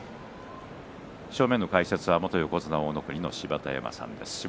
正面の解説は元横綱大乃国の芝田山親方です。